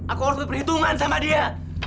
aku harus diperhitungan sama dia